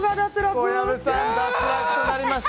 小籔さんが脱落となりました。